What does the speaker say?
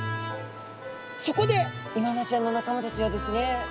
そこでイワナちゃんの仲間たちはですね